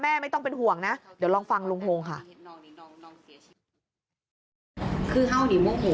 ไม่ต้องเป็นห่วงนะเดี๋ยวลองฟังลุงโฮงค่ะ